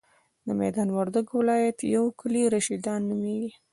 د ميدان وردګو ولایت یو کلی رشیدان نوميږي.